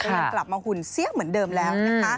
กลับมาหุ่นเสี้ยงเหมือนเดิมแล้ว